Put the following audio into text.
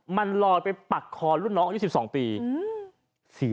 มันลอยไปปักคอรุ่นน้องอายุ๑๒ปี